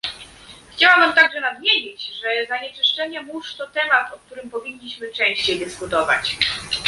Chciałabym także nadmienić, że zanieczyszczenie mórz to temat, o którym powinniśmy częściej dyskutować